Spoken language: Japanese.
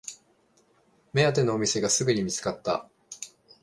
目当てのお店がすぐに見つかった